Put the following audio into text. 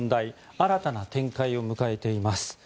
新たな展開を迎えています。